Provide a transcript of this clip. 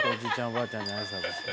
おばあちゃんに挨拶して。